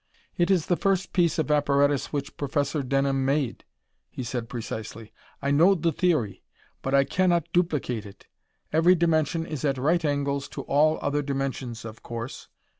"It is the first piece of apparatus which Professor Denham made," he said precisely. "I know the theory, but I cannot duplicate it. Every dimension is at right angles to all other dimensions, of course.